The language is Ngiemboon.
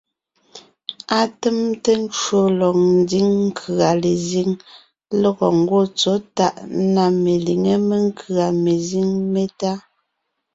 Atèmte ncwò lɔg ńdiŋ nkʉ̀a lezíŋ lɔgɔ ńgwɔ́ tsɔ̌ tàʼ na meliŋé menkʉ̀a mezíŋ métá.